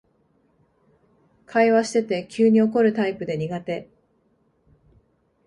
会話してて急に怒るタイプで苦手